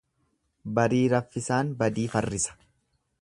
Barii raffisaan badii farrisa.